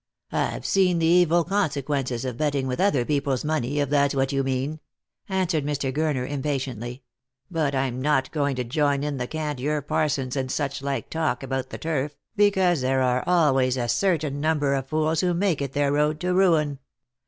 " I've seen the evil consequences of betting with other people's money, if that's what you mean," answered Mr. Gurner im patiently ;" but I'm not going to join in the cant your parsons and such like talk about the turf, because there are always a certain number of fools who make it their road to ruin.